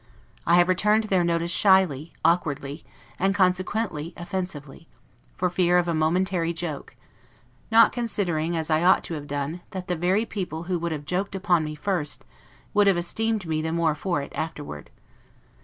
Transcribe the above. I have returned their notice shyly, awkwardly, and consequently offensively; for fear of a momentary joke, not considering, as I ought to have done, that the very people who would have joked upon me at first, would have esteemed me the more for it afterward.